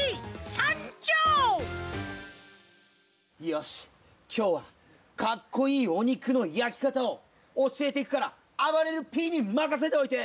よしきょうはかっこいいおにくのやきかたをおしえていくからあばれるＰにまかせておいて！